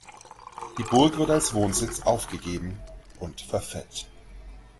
Die Burg wird als Wohnsitz aufgegeben und verfällt.